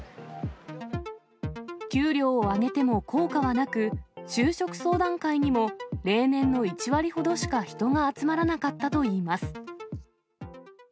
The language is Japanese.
給料を上げても効果はなく、就職相談会にも例年の１割ほどしか人が集まらなかったといいます。